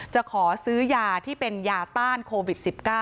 จะขอซื้อยาที่เป็นยาต้านโควิด๑๙